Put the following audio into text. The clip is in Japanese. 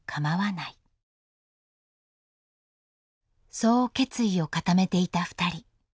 そう決意を固めていたふたり。